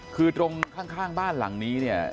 คือตรงข้างบ้านหลังนี้เนี่ย